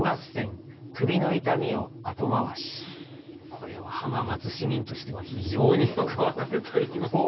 これは浜松市民としては非常によく分かるといいますか。